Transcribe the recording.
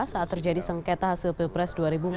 saat terjadi sengketa hasil pilpres dua ribu empat belas